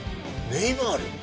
ネイマール？